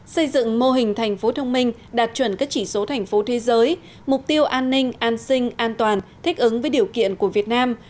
xây dựng mô hình thành phố thông minh đạt chuẩn các chỉ số thành phố thế giới mục tiêu an ninh an sinh an toàn thích ứng với điều kiện của việt nam